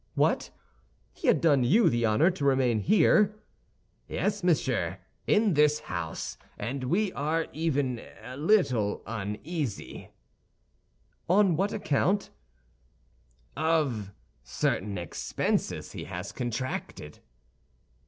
"What, he had done you the honor to remain here?" "Yes, monsieur, in this house; and we are even a little uneasy—" "On what account?" "Of certain expenses he has contracted."